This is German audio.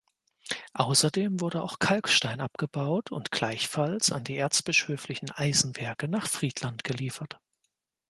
Außerdem wurde auch Kalkstein abgebaut und gleichfalls an die Erzbischöflichen Eisenwerke nach Friedland geliefert.